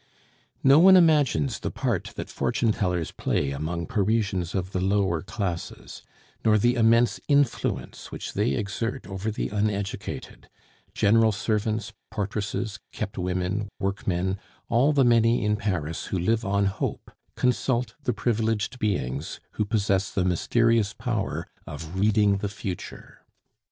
No one imagines the part that fortune tellers play among Parisians of the lower classes, nor the immense influence which they exert over the uneducated; general servants, portresses, kept women, workmen, all the many in Paris who live on hope, consult the privileged beings who possess the mysterious power of reading the future.